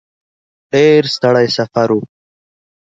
ډېر ستړی سفر و.